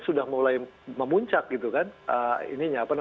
sudah mulai memuncak semangat masyarakat